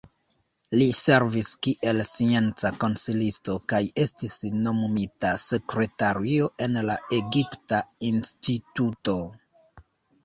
Li servis kiel scienca konsilisto, kaj estis nomumita sekretario en la Egipta Instituto.